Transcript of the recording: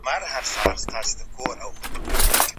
سياست به پر کلتور باندي اغېز وکړي.